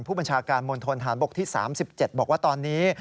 ผู้บัญชาการมณฑนฐานบกที่๓๗บอกว่าตอนนี้